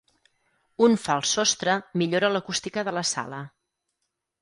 Un fals sostre millora l'acústica de la sala.